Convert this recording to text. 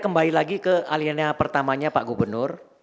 kembali lagi ke aliennya pertamanya pak gubernur